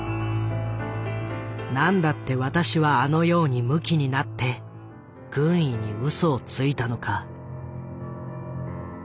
「何だって私はあのようにむきになって軍医に嘘をついたのか」。